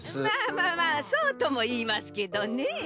まあまあまあそうともいいますけどね。